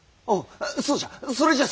それじゃそれじゃ！